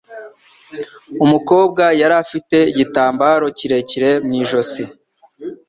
Umukobwa yari afite igitambaro kirekire mu ijosi.